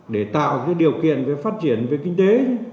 để tạo điều kiện phát triển về kinh tế